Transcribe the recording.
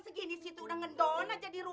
jadi uangnya belum cair bu